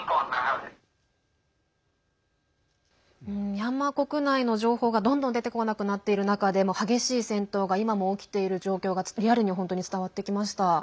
ミャンマー国内の情報がどんどん出てこなくなっている中でも激しい戦闘が今も起きている状況がリアルに本当に伝わってきました。